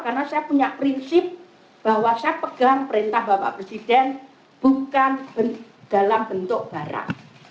karena saya punya prinsip bahwa saya pegang perintah bapak presiden bukan dalam bentuk barang